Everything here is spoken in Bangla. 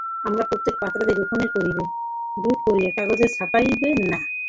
আমার প্রত্যেক পত্রাদি গোপন করিবে, ঝট করিয়া কাগজে ছাপাইবে না।